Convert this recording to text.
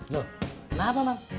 loh kenapa mang